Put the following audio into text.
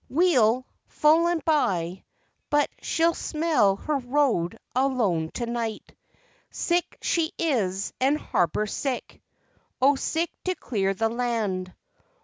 Wheel, full and by; but she'll smell her road alone to night. Sick she is and harbour sick O sick to clear the land!